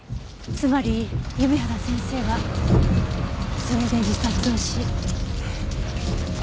つまり弓原先生はそれで自殺をし。